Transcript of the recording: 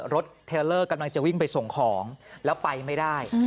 เทลเลอร์กำลังจะวิ่งไปส่งของแล้วไปไม่ได้